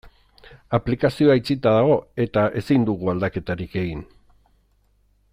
Aplikazioa itxita dago eta ezin dugu aldaketarik egin.